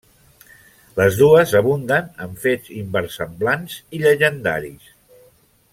Les dues abunden en fets inversemblants i llegendaris.